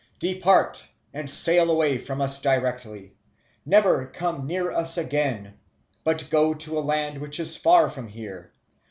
Depart, and sail away from us directly; never come near us again; but go to a land which is far from here.